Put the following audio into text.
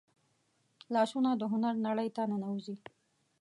لاسونه د هنر نړۍ ته ننوځي